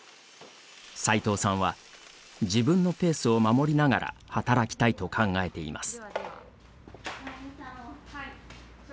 齊藤さんは自分のペースを守りながら働きたいと考えています。